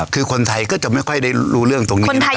คือคนไทยก็จะไม่ค่อยได้รู้เรื่องตรงนี้นะครับ